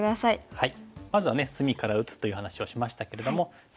はい。